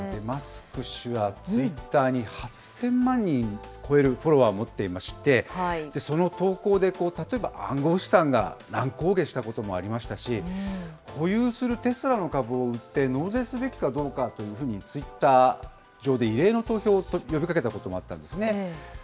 マスク氏はツイッターに８０００万人を超えるフォロワーを持っていまして、その投稿で、例えば、暗号資産が乱高下したこともありましたし、保有するテスラの株を売って、納税すべきかどうかというふうに、ツイッター上で異例の投票を呼びかけたこともあったんですね。